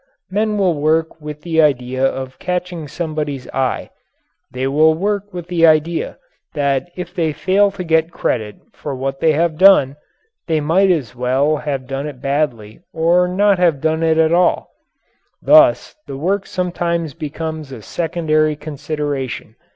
Men will work with the idea of catching somebody's eye; they will work with the idea that if they fail to get credit for what they have done, they might as well have done it badly or not have done it at all. Thus the work sometimes becomes a secondary consideration.